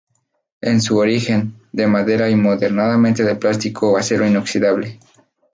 En su origen, de madera y modernamente de plástico o acero inoxidable.